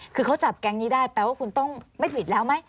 คือเขาจับแก๊งนี้ได้แปลว่าคุณต้องไม่ผิดแล้วไหม